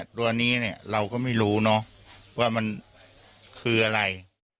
ตัวนี้เราก็ไม่รู้เนอะว่ามันคืออะไร